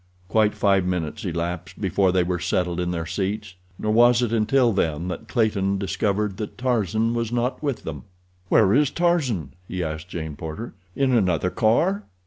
Quite five minutes elapsed before they were settled in their seats, nor was it until then that Clayton discovered that Tarzan was not with them. "Where is Tarzan?" he asked Jane Porter. "In another car?"